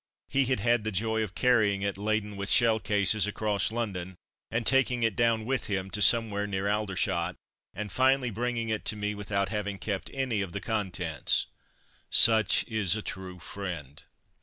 He had had the joy of carrying it laden with shell cases across London, and taking it down with him to somewhere near Aldershot, and finally bringing it to me without having kept any of the contents ... Such is a true friend.